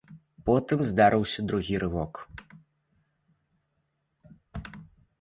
Потым здарыўся другі рывок.